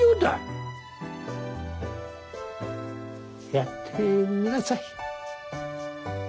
やってみなさい。